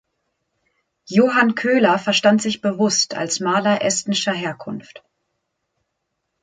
Johann Köler verstand sich bewusst als Maler estnischer Herkunft.